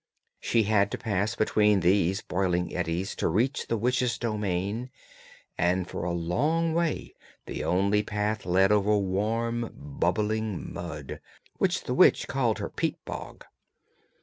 She had to pass between these boiling eddies to reach the witch's domain, and for a long way the only path led over warm bubbling mud, which the witch called her 'peat bog.'